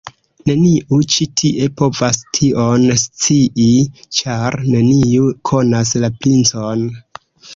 Neniu ĉi tie povas tion scii, ĉar neniu konas la princon!